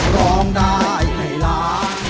ร้องได้ให้ล้าน